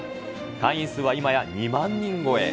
会員数は今や２万人超え。